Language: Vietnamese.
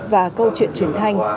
và câu chuyện truyền thanh